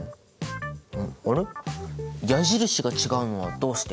矢印が違うのはどうして？